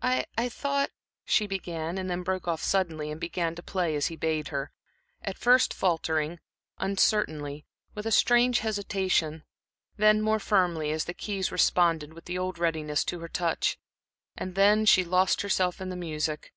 "I I thought," she began, and then broke off suddenly, and began to play as he bade her at first faltering, uncertainly, with a strange hesitation; then more firmly, as the keys responded with the old readiness to her touch, and she lost herself in the music.